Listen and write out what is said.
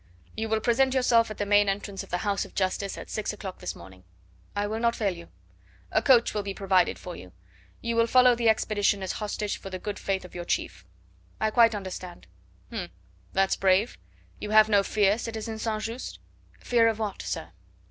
"You will present yourself at the main entrance of the house of Justice at six o'clock this morning." "I will not fail you." "A coach will be provided for you. You will follow the expedition as hostage for the good faith of your chief." "I quite understand." "H'm! That's brave! You have no fear, citizen St. Just?" "Fear of what, sir?"